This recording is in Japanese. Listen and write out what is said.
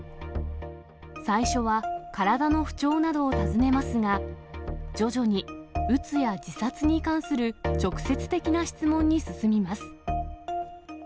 最初は体の不調などを尋ねますが、徐々にうつや自殺に関する直接的な質問に進みます。